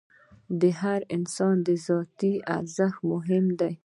د هر انسان ذاتي ارزښت مهم دی.